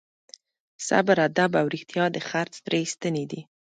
صبر، ادب او رښتیا د خرڅ درې ستنې دي.